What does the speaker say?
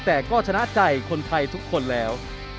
แต่ก็ชนะใจคนไทยทุกคนแล้ว